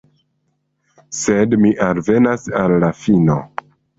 Sed mi alvenas al la fino.